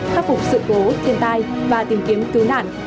khắc phục sự cố thiền tài và tìm kiếm cứu nạn